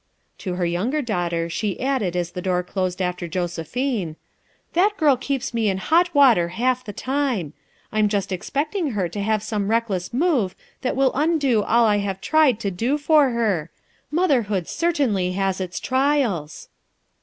To her younger daughter she added as the door closed after Josephine, "That girl keeps me in hot water half the time. I'm just ex pecting her to make some reckless move that will undo all I have tried to do for her* Motherhood certainly has its trials.